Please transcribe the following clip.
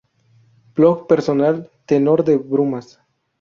Blog personal: Tenor de brumas